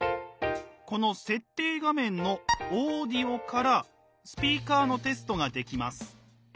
この設定画面の「オーディオ」から「スピーカーのテスト」ができます。